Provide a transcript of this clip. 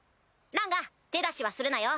ランガ手出しはするなよ。